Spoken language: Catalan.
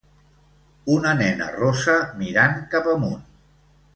Una nena rossa mirant cap amunt